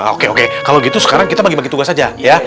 oke oke kalau gitu sekarang kita bagi bagi tugas saja ya